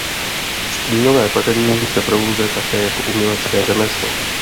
Stínové pletení se provozuje také jako umělecké řemeslo.